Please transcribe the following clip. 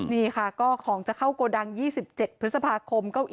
นี่ค่ะก็ของจะเข้าโกดัง๒๗พฤษภาคมเก้าอี้